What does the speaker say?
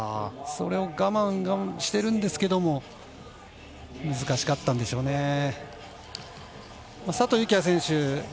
それを我慢してるんですけども難しかったんでしょうね。